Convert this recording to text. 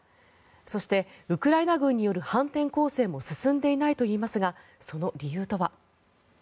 そしてウクライナ軍による反転攻勢も進んでいないといいますがその理由とは。